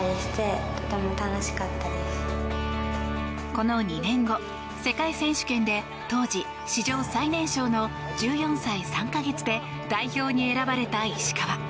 この２年後、世界選手権で当時、史上最年少の１４歳３か月で代表に選ばれた石川。